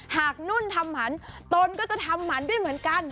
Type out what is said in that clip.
นุ่นทำหมันตนก็จะทำหมันด้วยเหมือนกัน